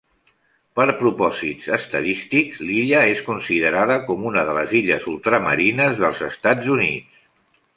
Per propòsits estadístics, l'illa és considerada com una de les illes Ultramarines dels Estats Units.